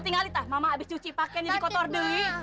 tinggalin tak mama abis cuci pakaian jadi kotor dewi